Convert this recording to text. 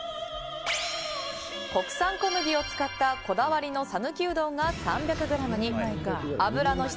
国産小麦を使った、こだわりの讃岐うどんが３００ｇに脂の質